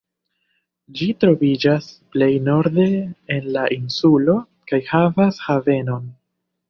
Ĝi troviĝas plej norde en la insulo kaj havas havenon.